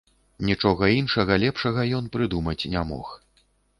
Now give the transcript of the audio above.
Нічога іншага лепшага ён прыдумаць не мог.